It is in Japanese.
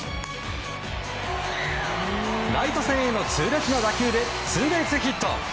ライト線への痛烈な打球でツーベースヒット。